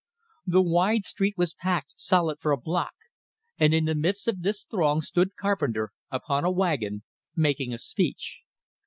The wide street was packed solid for a block, and in the midst of this throng stood Carpenter, upon a wagon, making a speech.